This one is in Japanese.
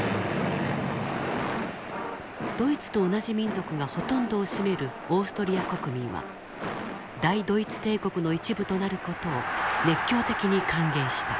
ドイツと同じ民族がほとんどを占めるオーストリア国民は大ドイツ帝国の一部となる事を熱狂的に歓迎した。